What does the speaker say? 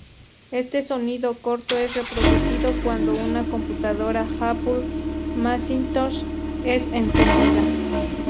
Este sonido corto es reproducido cuando una computadora Apple Macintosh es encendida.